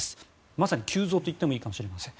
まさに急増といってもいいかもしれません。